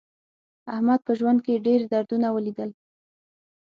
احمد په ژوند کې ډېر دردونه ولیدل.